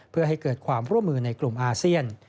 เพื่อให้เกิดความร่วมมือในกลุ่มอาเซียน